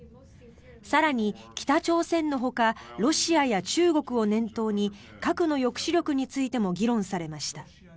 更に、北朝鮮のほかロシアや中国を念頭に核の抑止力についても議論されました。